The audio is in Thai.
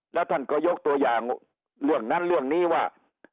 แล้วท่านก็ยกตัวอย่างเรื่องนั้นเรื่องนี้ว่า